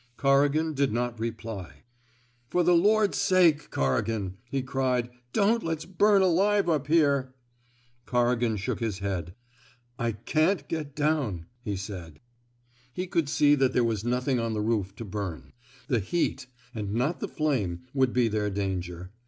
Corrigan did not reply. 205 THE SMOKE EATERS For the Lord^s sake, Corrigan, he cried, donH let's burn alive up here/' Corrigan shook his head. I can't get down," he said. He could see that there was nothing on the roof to bum; the heat and not the flame would be their danger.